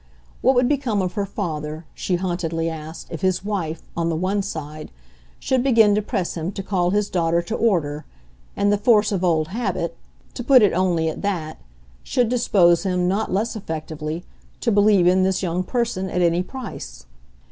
What would become of her father, she hauntedly asked, if his wife, on the one side, should begin to press him to call his daughter to order, and the force of old habit to put it only at that should dispose him, not less effectively, to believe in this young person at any price?